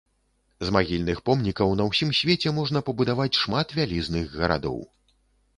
З магільных помнікаў на ўсім свеце можна пабудаваць шмат вялізных гарадоў.